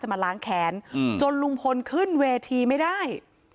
มาล้างแขนจนลุงพลขึ้นเวทีไม่ได้